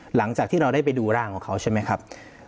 หลังจากที่เราได้ไปดูร่างของเขาใช่ไหมครับ